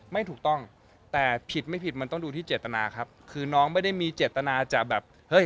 ไม่ถูกต้องแต่ผิดไม่ผิดมันต้องดูที่เจตนาครับคือน้องไม่ได้มีเจตนาจะแบบเฮ้ย